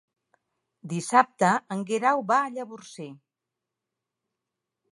Dissabte en Guerau va a Llavorsí.